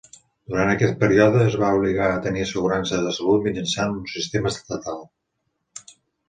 Durant aquest període, es va obligar a tenir assegurança de salut mitjançant un sistema estatal.